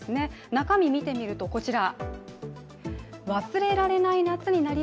中身を見てみるとこちら。